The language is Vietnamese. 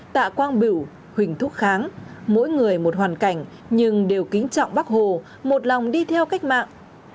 tạ quang biểu huỳnh thúc kháng mỗi người một hoàn cảnh nhưng đều kính trọng bác hồ một lòng đi theo cách mạng